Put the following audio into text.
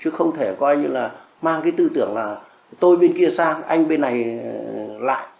chứ không thể coi như là mang cái tư tưởng là tôi bên kia sang anh bên này lại